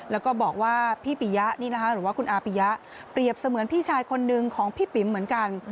แล้วก็บอกว่าพี่ปิยะนี่นะคะหรือว่าคุณอาปิยะเปรียบเสมือนพี่ชายคนนึงของพี่ปิ๋มเหมือนกัน